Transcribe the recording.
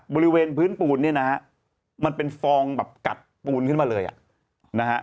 บริเวณพื้นปูนเนี่ยนะฮะมันเป็นฟองแบบกัดปูนขึ้นมาเลยอ่ะนะฮะ